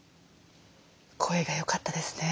声が良かったですね